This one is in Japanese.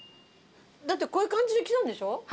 だってこういう感じで来たんでしょ？